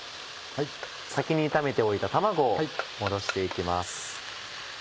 先に炒めておいた卵を戻して行きます。